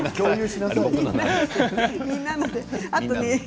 みんなの。